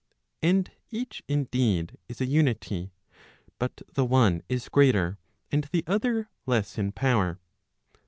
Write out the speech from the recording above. And each indeed, is a unity, but the one is greater, and the other less in power.